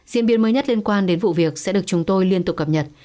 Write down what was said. diễn biến mới nhất liên quan đến vụ việc sẽ được chúng tôi liên tục cập nhật